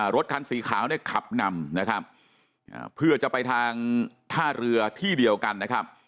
รถคันสีขาวเนี่ยขับนำนะครับเพื่อจะไปทางท่าเรือที่เดียวกันนะครับ